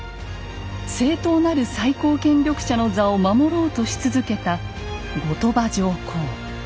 正統なる最高権力者の座を守ろうとし続けた後鳥羽上皇。